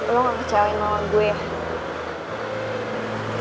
lo gak kecewain sama gue ya